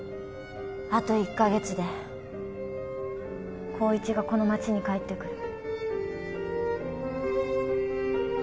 あと１カ月で光一がこの街に帰ってくる。